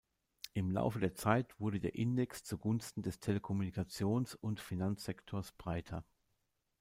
Im Laufe der Zeit wurde der Index zugunsten des Telekommunikations- und Finanzsektors breiter.